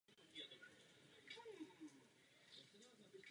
Během sta let bojů bylo dosaženo velkého pokroku.